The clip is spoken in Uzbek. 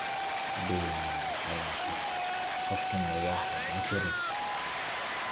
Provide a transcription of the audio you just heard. «Bema’ni karantin! Toshkentdagi ahvolni ko‘ring!»